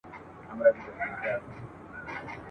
دا بلا دي نن دربار ته راولمه !.